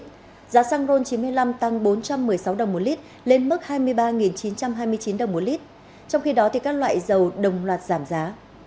từ một mươi năm h chiều ngày hôm nay giá xăng e năm ron chín mươi hai tăng bốn trăm một mươi sáu đồng một lít lên mức hai mươi ba chín trăm hai mươi chín đồng một lít trong khi đó các loại dầu đồng loạt giảm giá